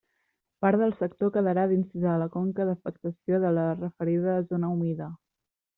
Part del sector quedarà dins de la conca d'afecció de la referida zona humida.